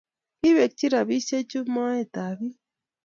Kipekchi ropishek chu moet ab bik